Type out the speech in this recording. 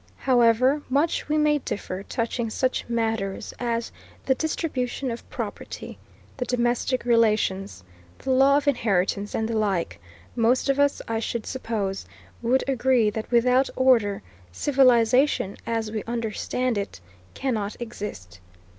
However much we may differ touching such matters as the distribution of property, the domestic relations, the law of inheritance and the like, most of us, I should suppose, would agree that without order civilization, as we understand it, cannot exist.